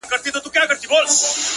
اول بخښنه درڅه غواړمه زه؛